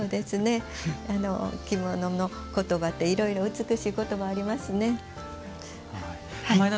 着物のことばっていろいろ美しいことばがありますね。